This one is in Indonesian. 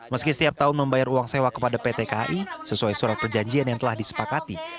meski setiap tahun membayar uang sewa kepada pt kai sesuai surat perjanjian yang telah disepakati